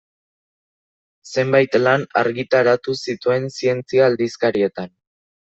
Zenbait lan argitaratu zituen zientzia-aldizkarietan.